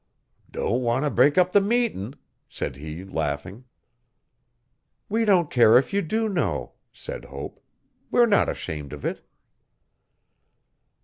'Don' want 'o break up the meetin',' said he laughing. 'We don't care if you do know,' said Hope, 'we're not ashamed of it.'